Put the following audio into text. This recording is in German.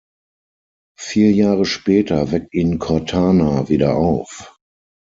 Vier Jahre später weckt ihn Cortana wieder auf.